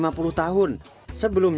sebelumnya mereka telah menikah secara agama